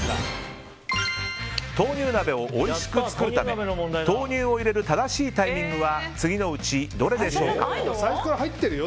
豆乳鍋をおいしく作るため豆乳を入れる正しいタイミングは次のうちどれでしょうか？